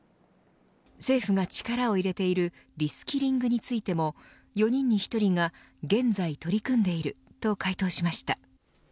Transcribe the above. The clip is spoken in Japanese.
政府が力を入れているリスキリングについても４人に１人が現在取り組んでいると回答しました。